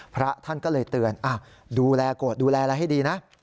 พระท่านก็เลยเตือนดูแลโกรธดูแลอะไรให้ดีนะ